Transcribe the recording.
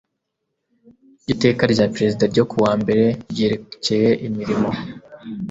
iteka rya perezida ryo ku wa mbere ryerekeye imirimo